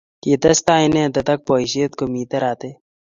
kitestai inendet ak boisiet komito ratet